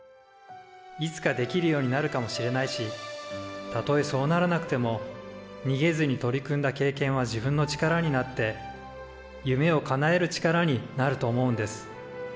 いつかできるようになるかもしれないしたとえそうならなくてもにげずに取り組んだ経験は自分の力になって夢をかなえる力になると思うんです。